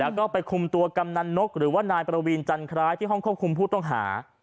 แล้วก็ไปคุมตัวกำนันนกหรือว่านายประวีนจันทรายที่ห้องควบคุมผู้ต้องหา